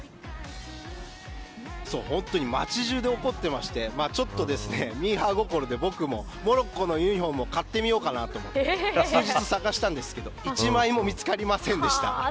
本当に街中で起こってましてちょっとミーハー心で僕もモロッコのユニホームを買ってみようかなと思って数日、探したんですが一枚も見つかりませんでした。